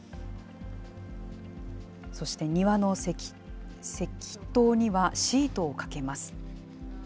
そして庭の石塔には、シートをかけます。